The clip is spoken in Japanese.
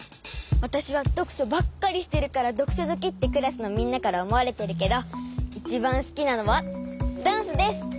わたしはどくしょばっかりしてるからどくしょずきってクラスのみんなからおもわれてるけどいちばんすきなのはダンスです！